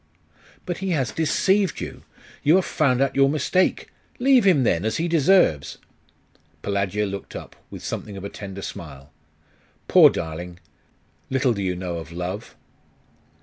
'But he has deceived you! You have found out your mistake. Leave him, then, as he deserves!' Pelagia looked up, with something of a tender smile. 'Poor darling! Little do you know of love!